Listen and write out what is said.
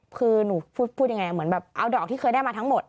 คือหนูพูดอย่างไรเอาดอกที่เคยได้มาทั้งหมด